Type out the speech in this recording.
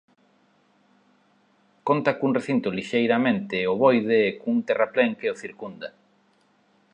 Conta cun recinto lixeiramente ovoide e cun terraplén que o circunda.